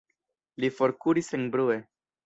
Li forkuris senbrue.